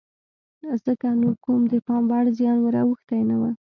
ځکه نو کوم د پام وړ زیان ور اوښتی نه و.